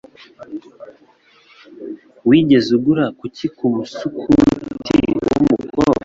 Wigeze ugura kuki kumusukuti wumukobwa?